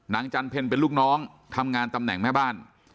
จันเพลเป็นลูกน้องทำงานตำแหน่งแม่บ้าน